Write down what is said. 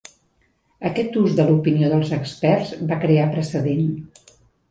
Aquest ús de l'opinió dels experts va crear precedent.